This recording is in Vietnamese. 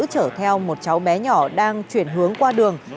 chở theo một cháu bé nhỏ đang chuyển hướng qua đường